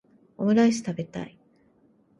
オムライス食べたい